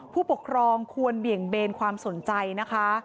ผู้ปกครองควรเบี่ยงเบนความสนใจนะคะ